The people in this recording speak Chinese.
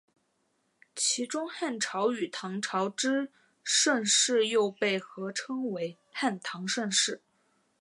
其中汉朝与唐朝之盛世又被合称为汉唐盛世。